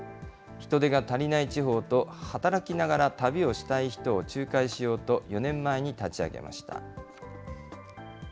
人手が足りない地方と、働きながら旅をしたい人を仲介しようと、４年前に立ち上げました。